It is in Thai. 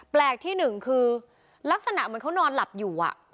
ที่หนึ่งคือลักษณะเหมือนเขานอนหลับอยู่